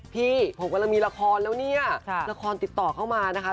พี่ผมกำลังมีละครแล้วเนี่ยละครติดต่อเข้ามานะคะ